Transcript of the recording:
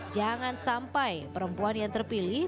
jangan sampai perempuan yang terpilih